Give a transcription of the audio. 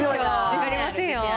分かりませんよ。